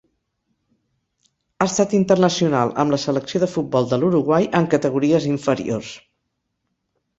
Ha estat internacional amb la selecció de futbol de l'Uruguai en categories inferiors.